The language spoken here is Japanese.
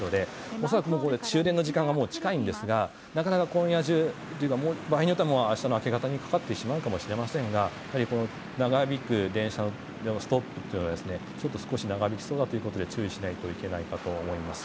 恐らく終電の時間がもう近いんですがなかなか今夜中場合によっては明日の明け方にかかってしまうかもしれませんが電車のストップというのは少し長引きそうだということで注意しないといけないかと思います。